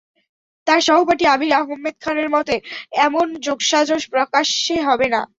তাঁর সহপাঠী আবীর আহমেদ খানের মতে, এমন যোগসাজশ প্রকাশ্যে হবে না।